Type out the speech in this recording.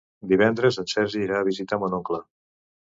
Divendres en Sergi irà a visitar mon oncle.